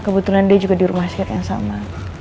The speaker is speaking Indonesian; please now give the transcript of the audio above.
kebetulan dia juga di rumah sakit yang sama